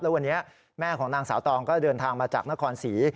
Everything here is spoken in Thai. แล้ววันนี้แม่ของนางสาวตองก็เดินทางมาจากนครศรี